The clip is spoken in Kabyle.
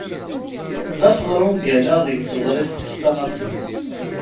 Ɣas ɣeṛ ungal-a deg teḍrist-is tanaṣlit.